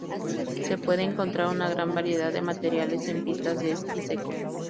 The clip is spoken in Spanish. Se puede encontrar una gran variedad de materiales en pistas de esquí seco.